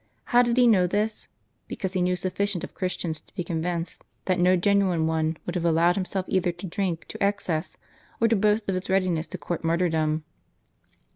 How did he know this ? Because he knew sufficient of Christians to be convinced, that no genuine one would have allowed himself either to drink to excess, or to boast of his readiness to court martyrdom.